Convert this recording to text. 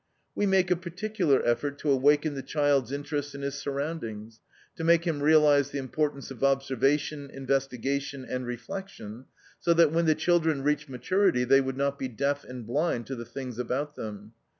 We make a particular effort to awaken the child's interest in his surroundings, to make him realize the importance of observation, investigation, and reflection, so that when the children reach maturity, they would not be deaf and blind to the things about them.